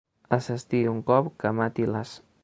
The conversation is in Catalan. Assesti un cop que mati l'as.